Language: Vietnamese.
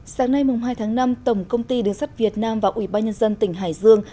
sáng nay hai tháng năm tổng công ty đường sắt việt nam và ủy ban nhân dân tỉnh hải dương